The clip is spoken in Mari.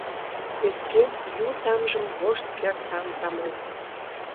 Ӧпкен ю тамжым вошт кертам тамлен.